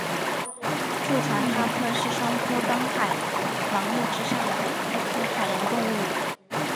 蛀船蛤科是双壳纲海螂目之下的一科海洋动物。